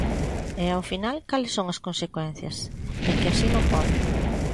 E ao final, ¿cales son as consecuencias? É que así non podo.